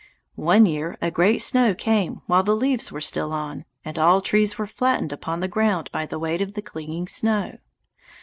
One year a great snow came while the leaves were still on, and all trees were flattened upon the ground by the weight of the clinging snow.